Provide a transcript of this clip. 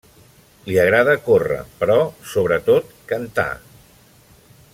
Li agrada córrer però, sobretot, cantar.